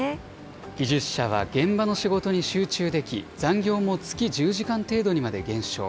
技術者は現場の仕事に集中でき、残業も月１０時間程度にまで減少。